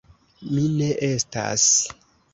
mi ne estas.